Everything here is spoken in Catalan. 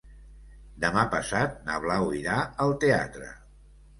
Demà passat na Blau irà al teatre.